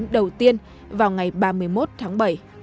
đầu tiên vào ngày ba mươi một tháng bảy